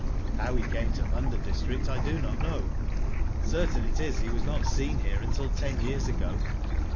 "How he came to Munda district I do not know. Certain it is, he was not seen here until ten years ago.